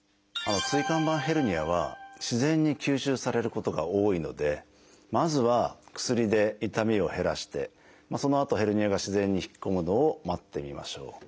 椎間板ヘルニアは自然に吸収されることが多いのでまずは薬で痛みを減らしてそのあとヘルニアが自然に引っ込むのを待ってみましょう。